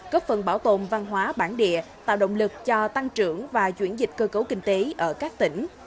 cấp phần bảo tồn văn hóa bản địa tạo động lực cho tăng trưởng và chuyển dịch cơ cấu kinh tế ở các tỉnh